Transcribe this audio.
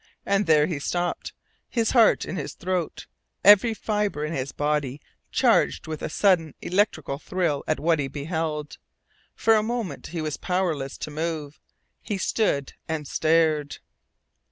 And there he stopped, his heart in his throat, every fibre in his body charged with a sudden electrical thrill at what he beheld. For a moment he was powerless to move. He stood and stared.